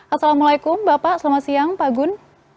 assalamualaikum bapak selamat siang pak gun